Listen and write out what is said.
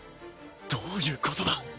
どういうことだ？